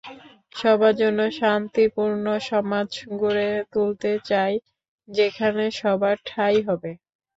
সবার জন্য শান্তিপূর্ণ সমাজ গড়ে তুলতে চাই, যেখানে সবার ঠাঁই হবে।